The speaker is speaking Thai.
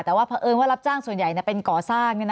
แต่ว่าเพราะเอิญว่ารับจ้างส่วนใหญ่เป็นก่อสร้าง